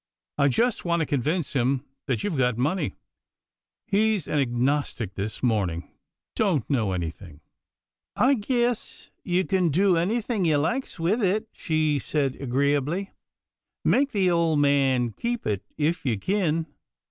I just want to con vince him that you've got money. He's an agnostic this morning — don't know anything." " I guess you kin do anythin' you likes with it," she said agreeably. " Make the ole man keep it, if you kin.